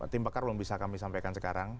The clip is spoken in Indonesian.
tim pakar belum bisa kami sampaikan sekarang